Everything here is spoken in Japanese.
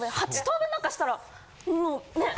８等分なんかしたらもうね。